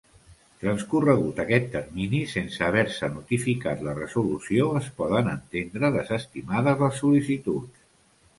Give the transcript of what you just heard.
Transcorregut aquest termini sense haver-se notificat la resolució es poden entendre desestimades les sol·licituds.